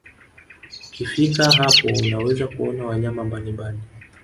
Ukifika hapo unaweza kuona wanyama mbalimbali